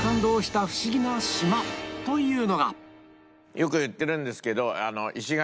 よく言ってるんですけど石垣。